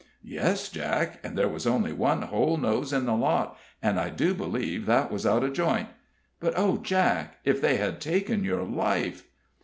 "Yes, Jack; and there was only one whole nose in the lot, and I do believe that was out of joint. But, oh, Jack! if they had taken your life!"